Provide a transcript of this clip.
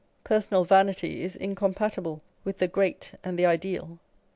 Personal vanity is incompatible with the great and the ideal.